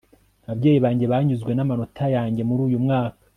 ababyeyi banjye banyuzwe n'amanota yanjye muri uyu mwaka